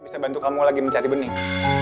bisa bantu kamu lagi mencari bening